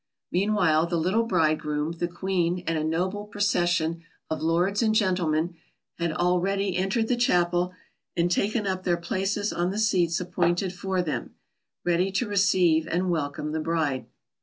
Meanwhile the little bridegroom, the Queen, and a noble procession of lords and gentlemen, had already entered the chapel and taken up their places on the seats appointed for them, ready to receive and welcome the bride.